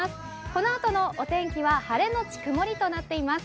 このあとのお天気は晴れのち曇りとなっています。